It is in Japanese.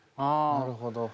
なるほど。